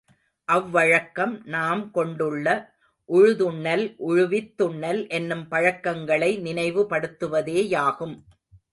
அவ்வழக்கம் நாம் கொண்டுள்ள உழுதுண்ணல், உழுவித்துண்ணல் என்னும் பழக்கங்களை நினைவுபடுத்துவதேயாகும்.